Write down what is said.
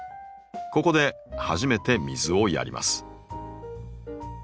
ここで初めて水をやります。